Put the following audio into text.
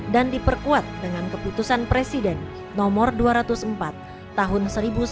dan diperkuat dengan keputusan presiden nomor dua ratus empat tahun seribu sembilan ratus enam puluh